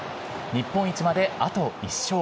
日本一まであと１勝。